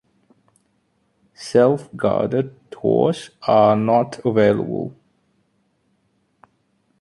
Self-guided tours are not available.